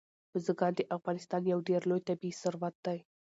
بزګان د افغانستان یو ډېر لوی طبعي ثروت دی.